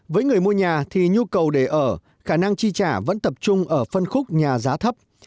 với người mua nhà thì nhu cầu để ở khả năng chi trả vẫn tập trung ở phân khúc nhà giá thấp